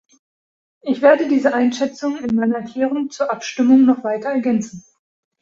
Ich werde diese Einschätzung in meiner Erklärung zur Abstimmung noch weiter ergänzen.